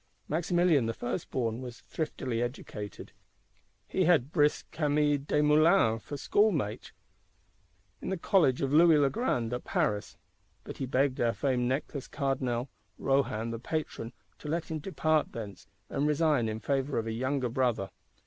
Maximilien the first born was thriftily educated; he had brisk Camille Desmoulins for schoolmate in the College of Louis le Grand, at Paris. But he begged our famed Necklace Cardinal, Rohan, the patron, to let him depart thence, and resign in favour of a younger brother.